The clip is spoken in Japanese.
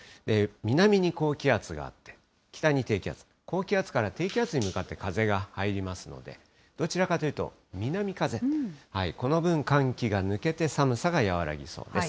南に高気圧があって北に低気圧、高気圧から低気圧に向かって風が入りますので、どちらかというと南風、この分、寒気が抜けて寒さが和らぎそうです。